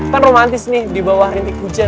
kan romantis nih di bawah rintik hujan